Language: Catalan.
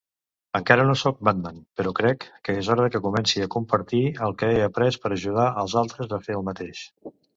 Encara no soc Batman, però crec que és hora que comenci a compartir el que he après per ajudar als altres a fer el mateix.